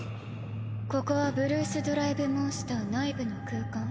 ここはブルース・ドライブ・モンスター内部の空間。